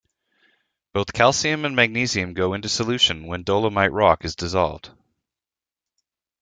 Both calcium and magnesium go into solution when dolomite rock is dissolved.